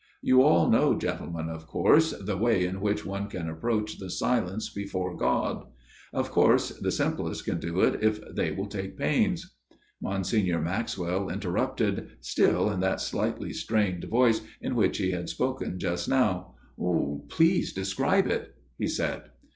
" You all know, gentlemen, of course, the way in which one can approach the silence before God. Of course the simplest can do it if they will take pains." Monsignor Maxwell interrupted, still in that slightly strained voice in which he had spoken just now. " Please describe it," he said.